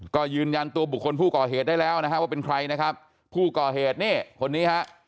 ก็ยืนยันตัวบุคคลผู้ก่อเหตุได้แล้วนะฮะว่าเป็นใครนะครับผู้ก่อเหตุนี่คนนี้ฮะ